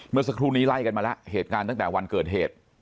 เมื่อสักครู่นี้ไล่กันมาแล้วเหตุการณ์ตั้งแต่วันเกิดเหตุ